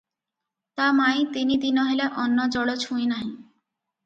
ତା ମାଇଁ ତିନି ଦିନ ହେଲା ଅନ୍ନ ଜଳ ଛୁଇଁ ନାହିଁ ।